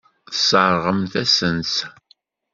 Tesseṛɣemt-asent-t.